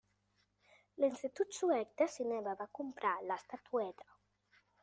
L'Institut Suec de Cinema va comprar l'estatueta.